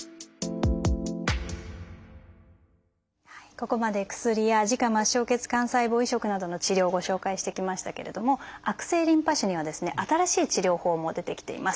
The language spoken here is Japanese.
ここまで薬や自家末梢血幹細胞移植などの治療ご紹介してきましたけれども悪性リンパ腫にはですね新しい治療法も出てきています。